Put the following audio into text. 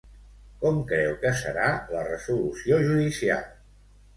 Com creu que serà la resolució judicial?